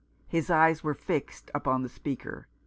His eyes were fixed • upon the speaker.